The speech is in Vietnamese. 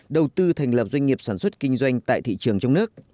đầu tư thành lập doanh nghiệp sản xuất kinh doanh tại thị trường trong nước